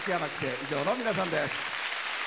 以上の皆さんです。